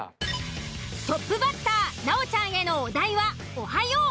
トップバッター奈緒ちゃんへのお題は「おはよう」。